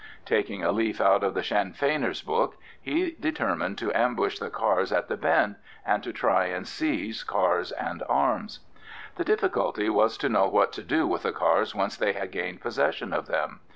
Taking a leaf out of the Sinn Feiners' book, he determined to ambush the cars at the bend, and to try and seize cars and arms. The difficulty was to know what to do with the cars once they had gained possession of them.